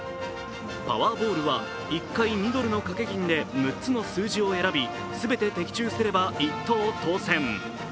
パワーボールは１回２ドルの賭け金で６つの数字を選び全て的中すれば、１等当せん。